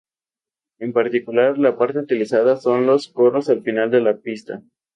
En particular, la parte utilizada son los coros al final de la pista.